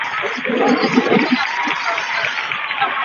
Phei phah in a ṭhu ko.